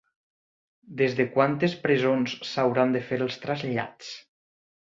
Des de quantes presons s'hauran de fer els trasllats?